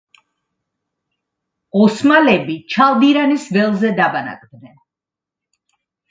ოსმალები ჩალდირანის ველზე დაბანაკდნენ.